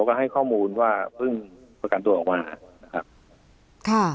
ก็ให้ข้อมูลว่าเพิ่งประกันตัวออกมา